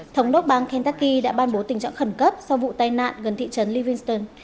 thống đốc bang kentucky đã ban bố tình trạng khẩn cấp sau vụ tai nạn gần thị trấn livingston